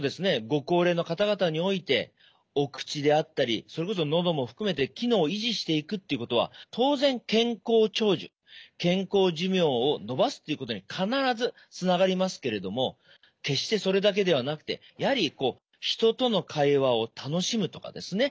ご高齢の方々においてお口であったりそれこそのども含めて機能を維持していくっていうことは当然健康長寿健康寿命を延ばすっていうことに必ずつながりますけれども決してそれだけではなくてやはり人との会話を楽しむとかですね